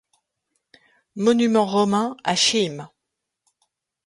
Monuments romains a Chehim.